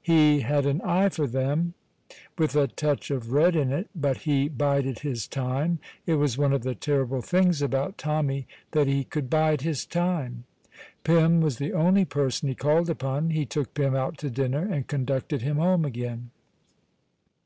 He had an eye for them with a touch of red in it; but he bided his time. It was one of the terrible things about Tommy that he could bide his time. Pym was the only person he called upon. He took Pym out to dinner and conducted him home again.